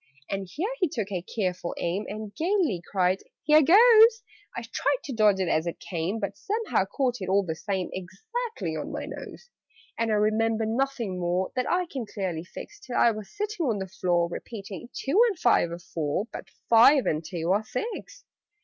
And here he took a careful aim, And gaily cried "Here goes!" I tried to dodge it as it came, But somehow caught it, all the same, Exactly on my nose. And I remember nothing more That I can clearly fix, Till I was sitting on the floor, Repeating "Two and five are four, But five and two are six."